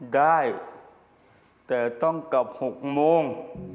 ได้แต่ต้องกลับ๖โมง